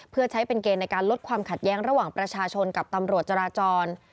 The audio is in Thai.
เพื่อใช้เป็นเกณฑ์ในการลดความขัดแย้งระหว่างประชาชนกับตำรวจจราจร